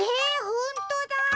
ほんとだ。